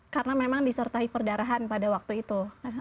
karena memang disertai perdarahan pada waktu itu